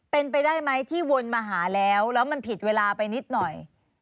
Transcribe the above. เป็นไปได้ไหมที่วนมาหาแล้วแล้วมันผิดเวลาไปนิดหน่อย